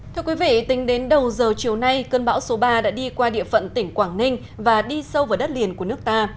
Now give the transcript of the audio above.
thưa quý vị tính đến đầu giờ chiều nay cơn bão số ba đã đi qua địa phận tỉnh quảng ninh và đi sâu vào đất liền của nước ta